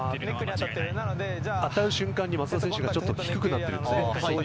当たる瞬間に松田選手がちょっと低くなっているんですよね。